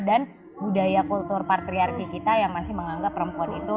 dan budaya kultur patriarki kita yang masih menganggap perempuan itu